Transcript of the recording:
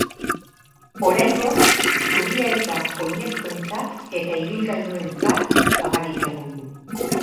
Oraingoz, zubia ez da oinezkoentzat eta ibilgailuentzat zabalik egongo.